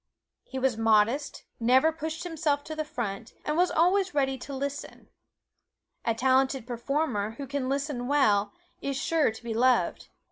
He was modest, never pushed himself to the front, and was always ready to listen. A talented performer who can listen well, is sure to be loved.